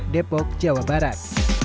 depok jawa barat